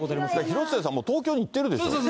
広末さん、もう東京行ってるでしょう。